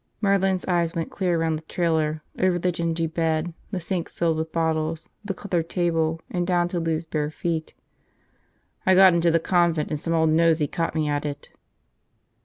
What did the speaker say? Merlin's eyes went clear around the trailer, over the dingy bed, the sink filled with bottles, the cluttered table, and down to Lou's bare feet. "I got into the convent and some old nosey caught me at it."